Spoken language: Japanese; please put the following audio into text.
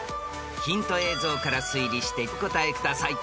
［ヒント映像から推理してお答えください］